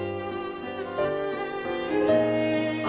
あ。